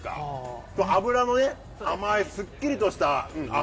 脂のね、甘いすっきりとした。